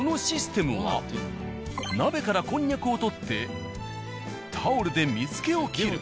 鍋からこんにゃくを取ってタオルで水気を切る。